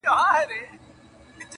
خر هغه دی خو کته یې بدله ده -